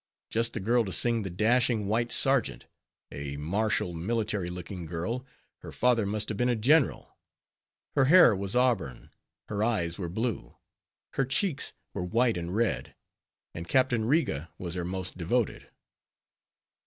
—just the girl to sing the Dashing White Sergeant; a martial, military looking girl; her father must have been a general. Her hair was auburn; her eyes were blue; her cheeks were white and red; and Captain Riga was her most devoted.